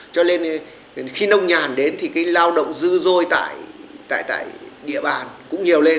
cho nên khi nông nhàn đến thì cái lao động dư dôi tại địa bàn cũng nhiều lên